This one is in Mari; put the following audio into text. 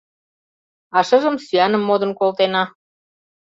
А шыжым сӱаным модын колтена.